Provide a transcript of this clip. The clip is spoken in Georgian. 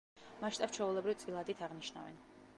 მასშტაბს ჩვეულებრივ წილადით აღნიშნავენ.